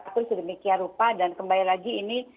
sudah demikian rupa dan kembali lagi ini